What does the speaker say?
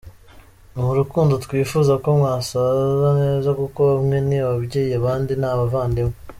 Ni urukundo, twifuza ko mwasaza neza kuko bamwe ni ababyeyi abandi ni abavandimwe.